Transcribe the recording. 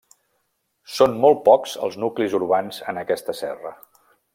Són molt pocs els nuclis urbans en aquesta serra.